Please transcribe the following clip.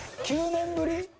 ９年ぶり？